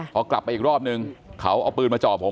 พอกลับไปอีกรอบนึงเขาเอาปืนมาจ่อผม